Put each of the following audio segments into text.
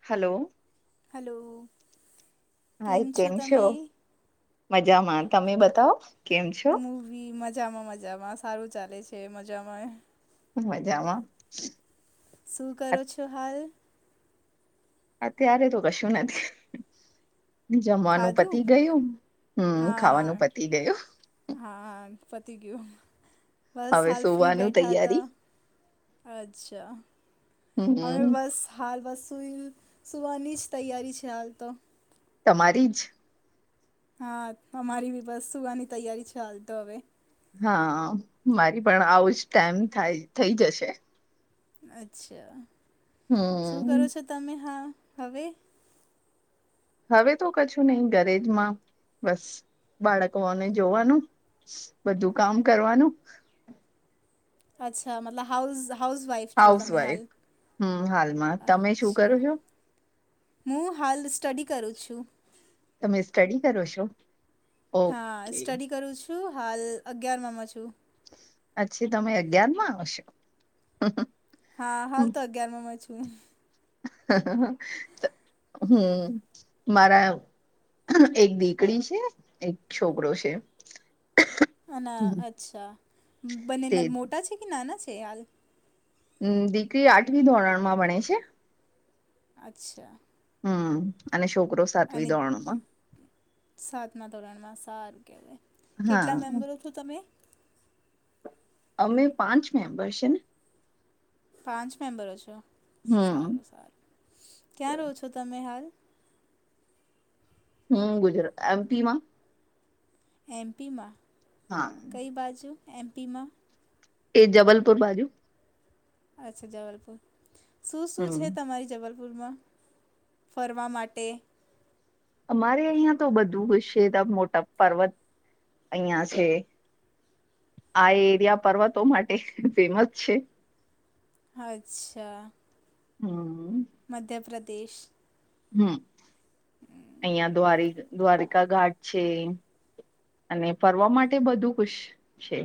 Hello. Hello. Hi કેમ છો, મજામાં તમે બતાવો કેમ છો. મજામાં મજામાં સારું ચાલે છે મજામાં. મજામાં. શું કરો છો હાલ. અત્યારે તો કશું નથી. જમવાનું પતિ ખાધું ગયું હમ્મ ખાવાનું હા પતિ ગયું. હા પતિ ગયું બસ હવે હાલ ફ્રી સુવાનું બેઠા તૈયારી હતા. અચ્છા અમે હમ બસ. હાલ વસુ સુવાની જ તૈયારી છે હાલ તો. તમારી જ. હા અમારી બી બસ સુવાની તૈયારી છે હાલ તો હવે. હા મારી પણ આવુંજ ટાઈમ થાય થઈ જશે. અચ્છા શું કરો હમ છો તમે હા હવે. હવે તો કશું નહી ઘરે જમાં બસ બાળકોને જોવાનું. બધું કામ કરવાનું. અચ્છા મતલબ હાઉસ હાઉસ વાઇફ. હાઉસવાઈફ હમ્મ હાલમાં તમે શું અચ્છા કરો છો. હું હાલ સ્ટડી કરું છું. તમે સ્ટડી કરો છો. હા ઓકે સ્ટડી કરું છું હાલ અગિયારમાંમાં છું. પછી તમે અગિયાર માં આવશો. હા હાલ તો અગિયાર માં છુ. હહ હું મારા. એક દિકડી છે એક છોકરો છે. અના અચ્છા તે બંનેના મોટા છે કે નાના છે હાલ. હમ દીકરી આઠમી ધોરણમાં ભણે છે. અચ્છા હમ અને છોકરો અને સાતવી દોરણો માં સાતમા ધોરણ માં સારું કેવાય કેટલા હા મેમ્બરો છો, તમે અમે પાંચ મેમ્બર્સ છેને પાંચ મેમ્બરો છો હમ સારું સારું ક્યાં રહો છો તમે હાલ હમ ગુજરાત એમપી માં એમપીમા હા કઈ બાજુ એમપીમા એ જબલપુર બાજુ અચ્છા જબલપુર શું શું હમ છે, તમારી જબલપુ લમાં ફરવા માટે અમારે અહિયાં તો બધું હુ છે ત મોટા પર્વત અહં છે. આ એરિયા પર્વતો માટે ફેમસ છે. અચ્છા હા મધ્યપ્રદેશ હમ અહિયાં દ્વાર દ્વારિકા ઘાટ છે. અને ફરવા માટે બધું કુશ છે.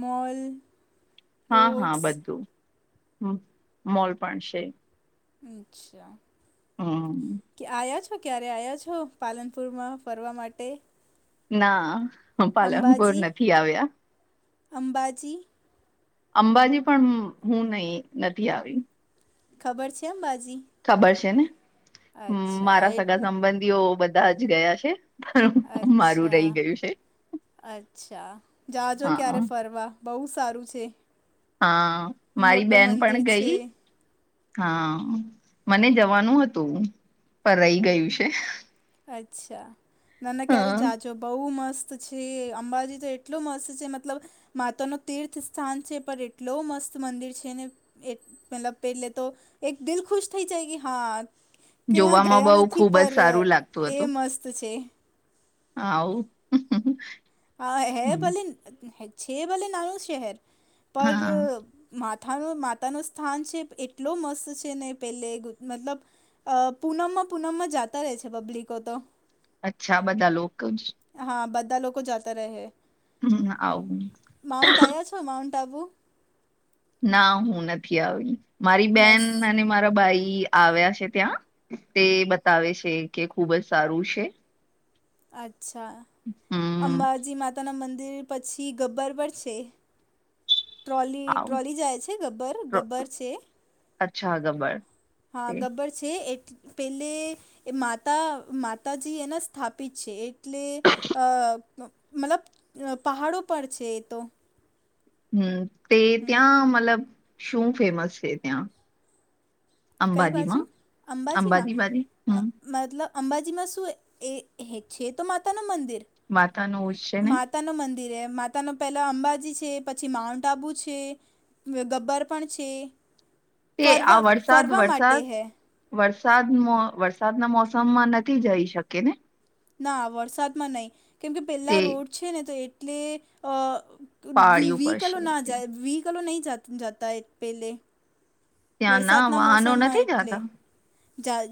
મલ હા હા બધું મોલ પણ છે. અચ્છા હા કે આવ્યા છો, ક્યારે આવ્યા છો પાલનપુરમાં ફરવા માટે ના પાલનપુર અંબાજી નથી આવ્યા અંબાજી અંબાજી પણ હું નહી, નથી આવી ખબર છે, એમ બાજી ખબર છે ને મારા એટ સગા સંબંધીઓ બધા જ ગયા છે. પણ મારું અચ્છા રહી ગયું છે અચ્છા જાજો હા ક્યારે ફરવા બહુ સારું છે. હા મારી મોટો બેન મંદિર પણ છે ગઈ. હા મને જવાનું હતું પર રહી ગયું છે. અચ્છા ના ના હ ક્યારે જાજો બહુ મસ્ત છે અંબાજી તો એટલોું મસ્ત છે મતલબ માતા ન તીર્થ સ્થાન છે પણ એટલ મસ્ત મંદિર છેને. મતલબ પેલે તો એક દિલ ખુશ થઈ જાય કે હા કયા જોવામાં ગયા બઉ નથી ખુબ જ પર સારું એ મસ્ત છે. હવ હા હે ભલે છે, ભલે નાનુંશહેર પર હા માથાનો માતા ન સ્થાન છે એટલો મસ્ત છે, ને પેલે મતલબ અ પૂનમમાં પૂનમમાં જાતા રહે છે પબ્લિકો તો અચ્છા બધા લોકો જ હા બધા લોકો જતા રહે હમ, આવું માઉન્ટ આવયા છો માઉન્ટ આબુ ના હું નથી આવી મારી મેસ બેન અને મારી બાઈ આવ્યા છે ત્યાં તે બતાવે છે કે ખુબ જ સારું છે અચ્છા હમ અંબાજી માતાના મંદિર પછી ગબ્બર પર છે. ટ્રોલી આવું ટ્રોલી જાય છે ગબ્બર પ્ર- ગબ્બર છે. અચ્છા ગબર હા ગબ્ર છે એ પેલે માતા માતાજી એના સ્થાપિત છે, એ એટલે મતલબ પહાડો પર છે, એ તો હમ્મ તે હમ ત્યાં મતલબ શું ફેમસ છે ત્યાં કઈ બાજુ અંબાજીમાં અંબાજીમાં અંબાજીમાંદી અ, હમ્મ મતલબ અંબાજીમાં શું એ છે તો માતાનું મંદિર માતા નો ઉસળી માતા ન મંદિરે માતા નો પેલા અંબાજી છે પછી માઉન્ટ આબુ છે ગબ્બર પણ છે તે આ ફરવા વરસાદ ફરવા માટે વરસાદ હૈ વરસાદ મો વરસાદના મોસમમાં નથી જઈ શકે ને ના વરસાદમાં નહી કેમ કે પેલા તે રોડ છે ને તો એટલે અ તો વ પાડ્યું વીકલો પડશે એટલે. નાાય વીકલો નહી જતા પહેલે ત્યાંના વરસાદના વાહનો મોસમમાં નથી એટલે જાતા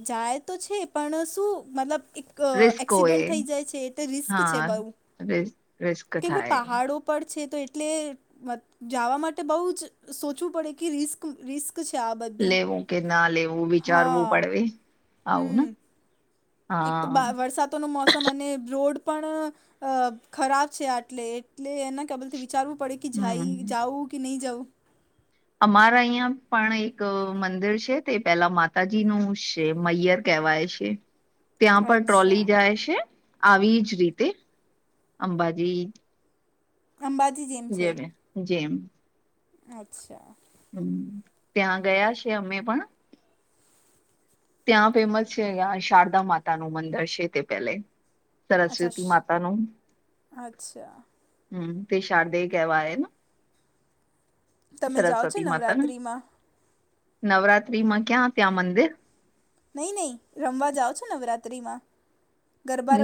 જાય તો છે પણ શું મતલબ એક અ રિસ્કો એ એક્સિડન્ટ થઈ જાય છે તે રિસ્ક છે હા બઉું રિસ્ક રિસ્ક કેમ કે થાય પહાડો પડ છે તો એટલે જવા માટે બહુ જ સોચવું પડે કે રિસ્ક રિસ્ક છે આબ લેવું કે ના લેવું વિચારવું પડે વે આવું ને હમ એક તો હા વરસાદનું મોસમ અને રોડ પણ અ ખરાબ છે આટલે એટલે એને કે બલથી વિચારવું પડે કે હમ જાય જાઉ કે નહી જાઉ અમારા અહિયાં પણ એક મંદિર છે તે પેલા માતાજી નું સે મૈયર કહેવાય છે [inaudible] ત્યાં પણ અચ્છા ટ્રોલી જાય છે આવી જ રીતે અંબાજી અંબાજી જેમ જેમ અચ્છા હમ્મ ત્યાં ગયા છે અમે પણ ત્યાં ફેમસ છે શારદા માતા નું મંદર છે તે પેલે અચ્છા સરસ્વતી શ- માતાનું અચ્છા હમ્મ તે શારદે કહેવાય તમે જાઓ છો સરસ્વતી માતા ને નવરાત્રિમાં નવરાત્રી માં ક્યાં ત્યાં મંદિર નહી નહી રમવા જાાવ છો નવરાત્રીમાં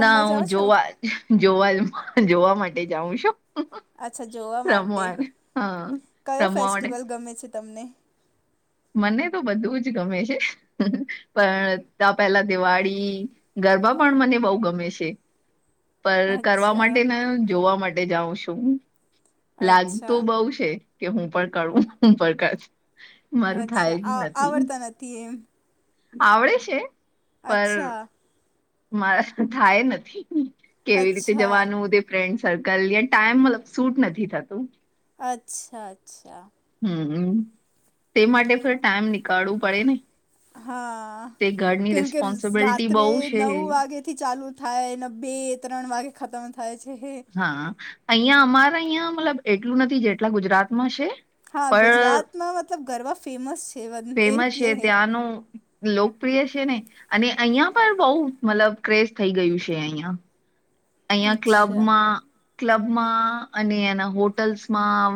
ના હું જોવા જોવા જોવા માટે જાઉં છું અચ્છા જોવા માટે રમવા હા કયો રમવા માટે ફેસ્ટિવલ ગમે છે તમને મને તો બધું જ ગમે છે પણ પેલા દિવાળી ગરબા પણ મને બહુ ગમે છે પર કરવા અચ્છા માટે ને જોવા માટે જાઉ શું અચ્છા લાગતું બઉ છે કે હું પણ કરું હું પણ ક અચ્છા આ આવડતા નથી એમ આવડે છે પર અચ્છા મારા થાય નથી કેવી રીતે અચ્છા જવાનું તે ફ્રેન્ડ સર્કલ યા ટાઈમ મતલબ સૂટ નથી થતું અચ્છા અચ્છા હમ તે માટે ફ ટાઈમ નીકળવું પડે ને હા તે ઘરની કેમ કે રિસ્પોન્સિબિલિટી રાત્રે બહુ છે નવ વાગે થી ચાલુ થાય એને બે ત્રણ વાગે ખતમ થાય છે. હા અહિયા અમારા અહિયાં મતલબ એટલું નથી જેટલા ગુજરાતમાં છે હા પણ ગુજરાતમાં મતલબ ગરબા ફેમસ છે એટલે નો લોકપ્રિય છે ને અને અહિયા પણ બહ મતલબ ક્રેઝ થઈ ગયું છે અહિયાં અહિયાં અચ્છા ક્લબમાં ક્લબમાં અને એના હોટલ્સમાં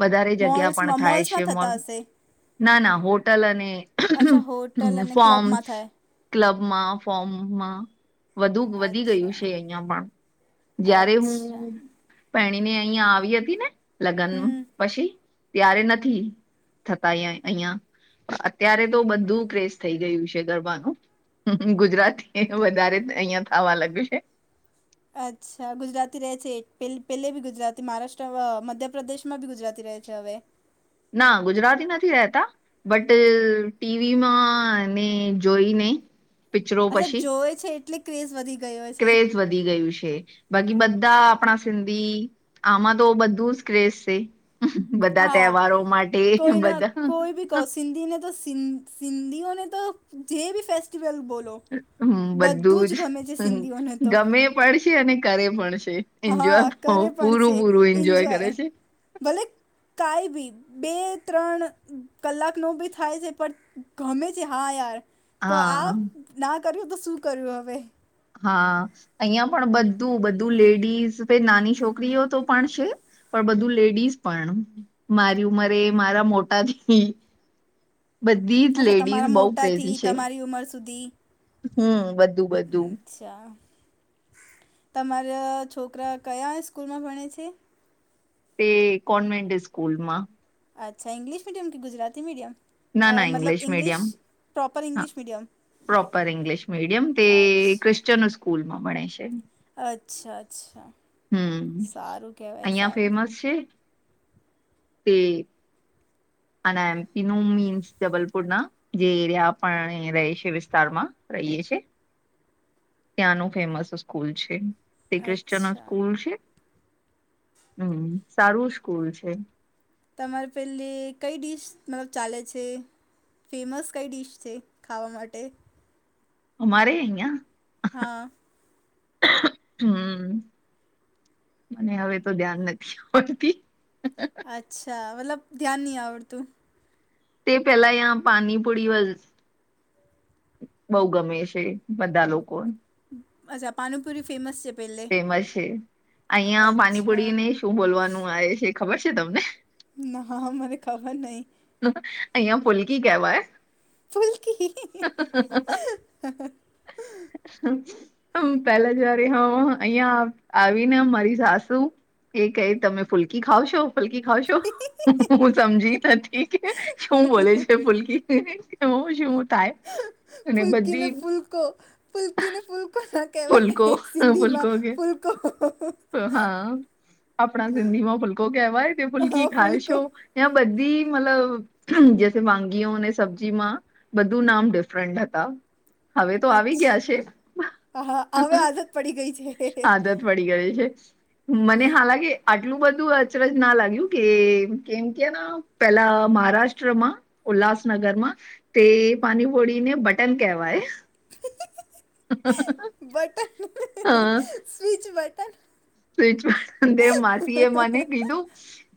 વધારે જગ્યા પણ મોલ્સમાં થાય છે મોલ્સમાં મોલ થતા હશે ના ના હોટલ અને અચ્છા હોટલ હ અને ક્લબમાં ફોર્મ્સ થાય ક્લબમાં ફોર્મમાં વધુ વધી ગયું અચ્છા છે. અહ પણ જયારે હું અચ્છા પેણીને અહં આવી હતી ને લગ્ન હમ પછી ત્યારે નથી થતા અ અહિયાં અત્યારે તો બધું ક્રેઝ થઈ ગયું છે, ગરબાનું હ ગુજરાતી વધારે અહિયાં થવા લાગ્યું છે. અચ્છા ગુજરાતી રહે છે, પે પહેલે બી ગુજરાતી મહારાષ્ટ્ર મધ્યપ્રદેશમાં બી ગુજરાતી રહે છે, હવે ના ગુજરાતી નથી રતા બટ ટીવીમાં ને જોઈને પિક્ચરો અચ્છા પછી જોવે છે, એટલે ક્રેઝ વધી ગયો છે. ક્રેઝ વધી ગયું છે, બાકી બધા આપણા સિંધી આમાં તો બધું જ ક્રેસ છે, બધા હા તહેવારો માટે બધા ક સિંધીને તો સિ સિંધીઓને તો જે બી ફેસ્ટીિવલ બોલો હમ બધું જ ગમે છે સિંધીઓને જ તો ગમે પણ છે, અને કરે પણ છે. એન્જોય હા કરે પણ પૂરું છે, પૂરું કરે એન્જોય છે ભલે કઈ બી બે ત્રણ કલાક નો બી થાય છે, પણ ગમે છે, હા યાર તો આ હા ના કર્યું તો શું કર્યું હવે હા અહં પણ બધું બધું લેડીઝ નાની છોકરીઓ તો પણ છે. પણ બધું લેડીઝ પણ મારી ઉંમરે મારા મોટાથી બધી જ લેડીઝ બહુ ક્રેઝી છે. ટ્યુમર સુધી હમ બધું બધું અચ્છા તમારા છોકરા કયા સ્કૂલમાં ભણે છે. તે કોન્વેન્ટ સ્કૂલ માં અચ્છાઇંગ્િશ મીડયમ કે ગુજરાતી મીડયમ ના ના ઇંગ્લિશ મીડિયમ હ ઇંગ્લિશ મીડિયમ પ્રોપરંગ્િ મીડિયમ અચ્છા ક્રિ સ્કૂલમાં ભણે છે. અચ્છા અચ્છા હમ સારું કહેવાય અહિયાં સારું ફેમસ છે, તે અને એમપીનું મીન્સ જબલપુર ના જે એરિયા આપ રહે છે, વિસ્તારમાં રહીએ છ છે. ત્યાંનું ફેમસ સ્કૂલ છે. તે ક્રિશ્ચન અચ્છા સ્કૂલ છે, હમ સારું સ્કૂલ છે. તમારે પેલી કઈ ડીશ મતલબ ચાલે છે. ફેમસ કઈ ડીશ છે, ખાવા માટે અરે અહીિયા હા હમ મને હવે તો ધ્યાન નથી હોડતી અચ્છા મતલબ ધ્યાન નહી આવડતું. તે પેલા પાણીપુડી [unintelligible] બઉુ ગમે છે બધા લોકો, અચ્છા પાાનપુરી ફેમસ છે, પેલે ફેમસ છે, અહિયાં અચ્છા પાનીપુરી ને શું બોલવાનું આવે છે, ખબર છે, તમને હ હાને ખબર નહી અહિયાં ફુલકી કેવાય ફુલકી હ મ પેલા જવારે હ અહિયાં આવી ને મારી સાસુ એ કઈ તમે ફુલકી ખાવ છો પલકી ખાવ છો હું સમજી ત ઠીક શું બોલે છેુલ [unintelligible] શું [unintelligible] [unintelligible] અને ફુલકીને બધી ફુલકો ફુલકીને ફૂલકો ના [unintelligible] ફુલકો કહેવાય [unintelligible] સિંધીમાં ફુલકો કે ફુલકો [unintelligible] હા, આપણા સિંધી માં ફૂલકો કેહેવાય તે ફુલકી હા ફૂલકો ખાયશો. ત્યાં બધી મતલબ જે વાગીઓ અને સબ્જીમાં બધું નામ ડિફરન્ટ હતા, હવે તો આવી ગયા છે, અચ્છા હા હવે આદત [unintelligible] પડી ગઈ છે આદત પડી ગે છે, મને હાલાકી આટલું બધું અચરજ ના લાગ્યું કે કેમ કે પેલા મહારાષ્ટ્રમાં ઉલ્લાસનગરમાં તે પાનીભોળીને બટન કહેવાય. [unintelligible] બટન અ [unintelligible] સ્વિચ બટન [unintelligible] માસી એ મને કીધું,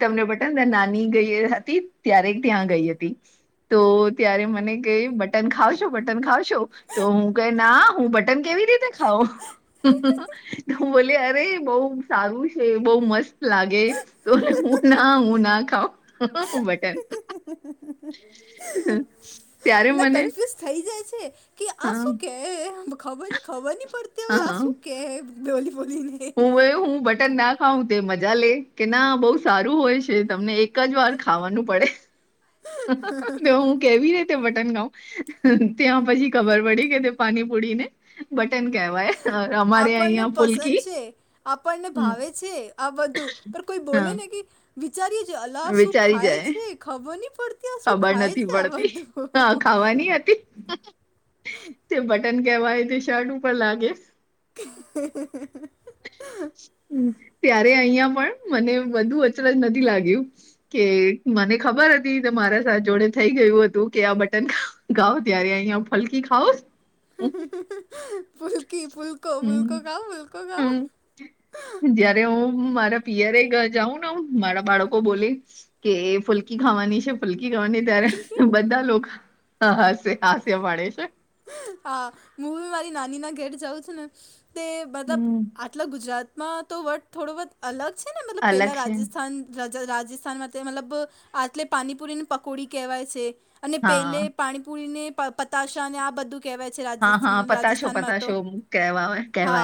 તમને બતા નાની ગઈ હતી ત્યારે ત્યાં ગઈ હતી. તો ત્યારે મને ક બટન ખાવશો બટન ખાવશો તો હું ક ના હું બટ ટન કેવી રીતે ખાવ, હું બોલી અરે બ બ સારું છે બહુ મસ્ત લાગે. તો હું ના હું ના ખાઉં [unintelligible] બટન ત્યારે [unintelligible] મે મને કન્ફ્યુઝ થઈ જાય છે. કે હા આસું કે હૈે ખબર ન ખબર ન પડતી હોય હા આસું કે હ બોલી બોલીને હું હું બટન નાખ હાું તે મજા લે કે ના બહુ સારું હોય છે તમને એક જ વાર ખાવાનું પડે [unintelligible] અને હું કેવી રે તે બટન ખઉ ત્યાં પછી ખબર પડી કે તે પાણી પુડીને બટન કહેવાય. અ, અમારે આપણને અહિયાં ફુલકી પસંદ છે, આપણને હમ ભાવે છે, આ બધું પણ કોઈ બોલે ને હા કે વિચારીએ છે અલાહ શું વિચારી ખાય જાય છે, ખબર નહ પડતી. આ શું ખબર ખાય નથી છે આ પડતી હ બધું ખાવાની હતી, [unintelligible] તે બટન કેવાય તે શર્ટ ઉપર લાગે [unintelligible] હ ત્યારે અહં પણ મને બધું અચરજ નથી લાગ્યું. કે મને ખબર હતી કે મારા સાથે જોડે થઈ ગયું હતું કે આ બટન ગાાવ ત્યારે અહીંયા ફલકી ખાાવ [unintelligible] ફુલકી ફુલકો હમ ફૂલકો કા [unintelligible] ફૂલકો કા હમ. [unintelligible] જયારે હું મારા પિયરે જાઉં ને મારા બાળકો બોલે કે એ ફુલકી ખાવાની છે, ફુલકી ગવાની ખાઓ ત્યારે બધા લોકો હાસ હાસ્ય પાડે છે. હા [unintelligible] હુ મારી નાની ના ઘેટ જાઉં છું, ને તે મતલબ હમ. મતલબ ગુજરાતમાં તો વર્ટ થોડો વ અલગ છે, ને મતલબ અલગ પેલા છે રાજસ્થાન જ જ રાજસ્થાનમાં મતલબ આટલે પાનીપુરીની પકોડી કહેવાય છે. અને હા પેલે પાણીપુરીને પ પતાશા ને આ બધું કેહેવાય છે હા રાજેશન હા પતાશો રાજસ્થાનમાં તો, પતાશો કહેવા હા કહેવાય